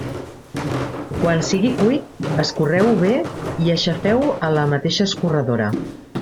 Quan sigui cuit, escorreu-ho bé i aixafeu-ho a la mateixa escorredora.